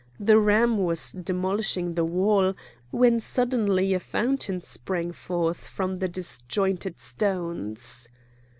The ram was demolishing the wall, when suddenly a fountain sprang forth from the disjointed stones.